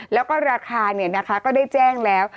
แล้วก็ราคาเนี่ยนะคะก็ได้แจ้งแล้ว